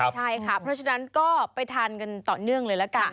ใช่ค่ะเพราะฉะนั้นก็ไปทานกันต่อเนื่องเลยละกัน